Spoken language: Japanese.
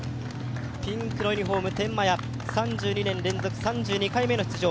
ピンクのユニフォーム、天満屋、３２年連続・３２回目の出場。